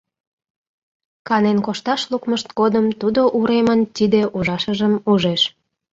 Канен кошташ лукмышт годым тудо уремын тиде ужашыжым ужеш.